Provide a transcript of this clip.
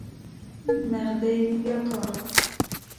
نغدی یا کارت؟